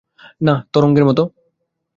না, তরঙ্গের মতো।